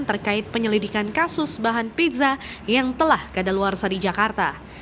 terkait penyelidikan kasus bahan pizza yang telah kadaluarsa di jakarta